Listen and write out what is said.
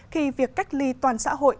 khi việc cách ly toàn xã hội